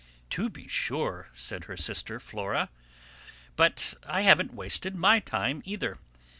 "To be sure!" said her sister Flora, "but I haven't wasted my time either.